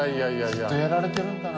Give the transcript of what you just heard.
ずっとやられてるんだな。